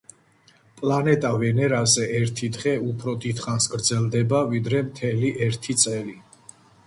პლანეტა ვენერაზე ერთი დღე უფრო დიდხანს გრძელდება, ვიდრე მთელი ერთი წელი.